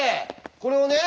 これをね。